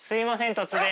突然。